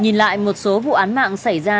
nhìn lại một số vụ án mạng xảy ra